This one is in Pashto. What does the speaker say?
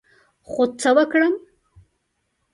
خو څه وکړم ؟